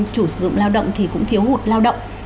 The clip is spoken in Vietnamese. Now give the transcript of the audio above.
chủ sử dụng lao động thì cũng thiếu hụt lao động